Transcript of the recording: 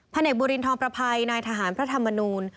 เนกบุรินทองประภัยนายทหารพระธรรมนูล